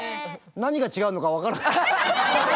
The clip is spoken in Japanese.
何が違うのか分からなかった。